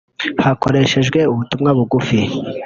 Hakoreshejwe ubutumwa bugufi